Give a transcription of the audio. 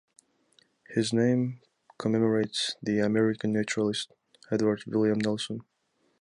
His name commemorates the American naturalist Edward Willian Nelson.